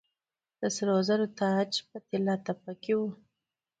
د سرو زرو تاج په طلا تپه کې و